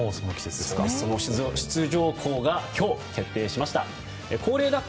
その出場校が今日、決定しました。